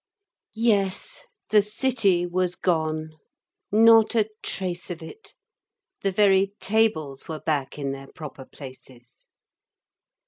Yes, the city was gone. Not a trace of it. The very tables were back in their proper places.